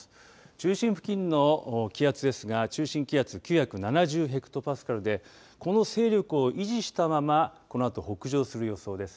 中心付近の気圧ですが中心気圧９７０ヘクトパスカルでこの勢力を維持したままこのあと北上する予想です。